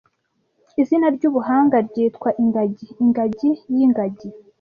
Izina ry'ubuhanga ryitwa ingagi "Ingagi y'ingagi"